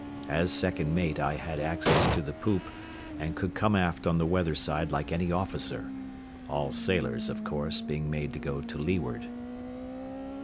As second mate I had access to the poop and could come aft on the weather side like any officer, all sailors, of course, being made to go to leeward.